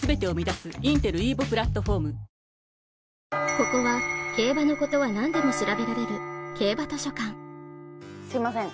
ここは競馬のことはなんでも調べられる競馬図書館すいません